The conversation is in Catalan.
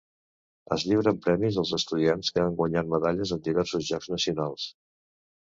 Es lliuren premis als estudiants que han guanyat medalles en diversos jocs nacionals.